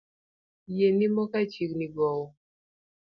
Yie nimo ka chiegni gowo